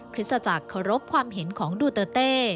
คริสตจักรเคารพความเห็นของดูเตอร์เต้